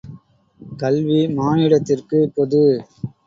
கல்வி மானிடத்திற்குப் பொது.